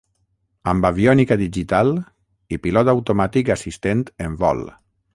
Amb aviònica digital i pilot automàtic assistent en vol.